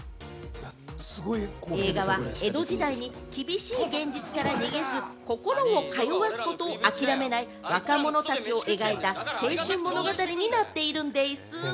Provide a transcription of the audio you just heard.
映画は江戸時代に厳しい現実から逃げず、心を通わすことを諦めない若者たちを描いた青春物語になっているんでぃす。